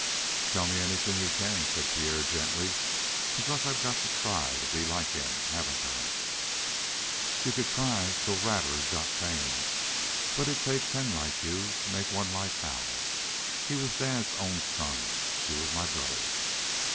"Tell me anything you can," said Pierre gently, "because I've got to try to be like him, haven't I?" "You could try till rattlers got tame, but it'd take ten like you to make one like Hal. He was dad's own son he was my brother."